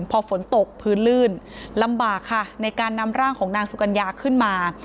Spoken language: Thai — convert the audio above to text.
พอฝนตกพื้นลื่นลำบากค่ะในการนำร่างของนางสุกัญญาขึ้นมา